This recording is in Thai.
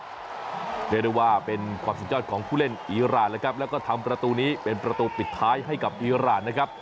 เรียกได้ว่าเป็นความสุดยอดของผู้เล่นอีรานแล้วครับแล้วก็ทำประตูนี้เป็นประตูปิดท้ายให้กับอีรานนะครับ